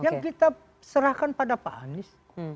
yang kita serahkan pada pak anies